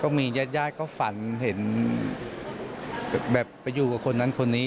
มีญาติญาติเขาฝันเห็นแบบไปอยู่กับคนนั้นคนนี้